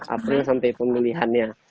april sampai pemilihannya